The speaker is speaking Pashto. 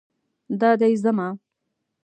دا دی ځمه